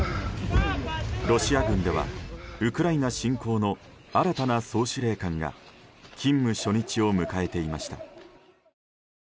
ロシア軍ではウクライナ侵攻の新たな総司令官が勤務初日を迎えていました。